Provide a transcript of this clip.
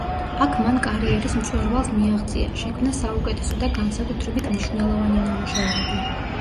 აქ მან კარიერის მწვერვალს მიაღწია, შექმნა საუკეთესო და განსაკუთრებით მნიშვნელოვანი ნამუშევრები.